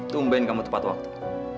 tungguin kamu tepat waktu